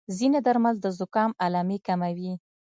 ځینې درمل د زکام علامې کموي.